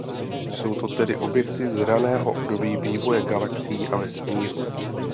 Jsou to tedy objekty z raného období vývoje galaxií a vesmíru.